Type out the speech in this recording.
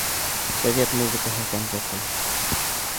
Совет музыкаһы концерты